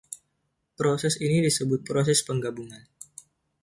Proses ini disebut proses penggabungan.